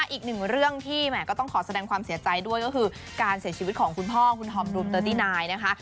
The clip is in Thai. อีกหนึ่งเรื่องที่แหม่ก็ต้องขอแสดงความเสียใจด้วยก็คือการเสียชีวิตของคุณพ่อคุณธอมรุมเตอร์ตี้นายนะคะ